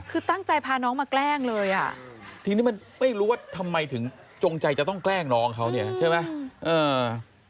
คือตั้งใจพาน้องมาแกล้งเลยอ่ะทีนี้มันไม่รู้ว่าทำไมถึงจงใจจะต้องแกล้งน้องเขาเนี่ยใช่ไหม